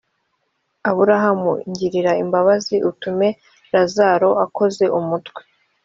aburahamu ngirira imbabazi utume lazaro akoze umutwe